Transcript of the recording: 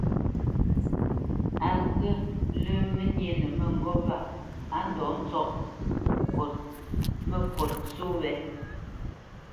Á ghyə̂ lə́ mə́ nyénə mə́ŋgôp wa á ndɔ̌ ntsɔ́ʼ məkǒt só wě.